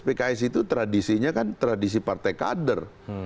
pks itu tradisinya kan tradisi partai kader